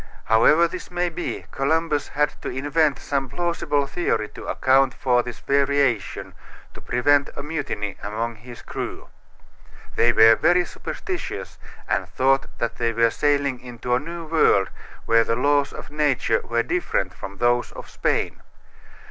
However this may be, Columbus had to invent some plausible theory to account for this variation to prevent a mutiny among his crew. They were very superstitious and thought that they were sailing into a new world where the laws of nature were different from those of Spain.